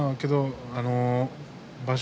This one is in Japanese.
場所